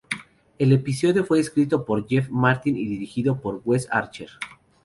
El episodio fue escrito por Jeff Martin y dirigido por Wes Archer.